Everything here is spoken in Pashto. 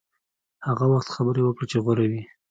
هغه وخت خبرې وکړه چې غوره وي.